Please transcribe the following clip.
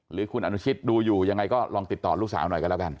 หรือคุณอนุชิตดูอยู่ยังไงก็ลองติดต่อลูกสาวหน่อยกันแล้วกัน